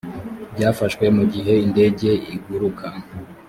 byafashwe mu gihe indege iguruka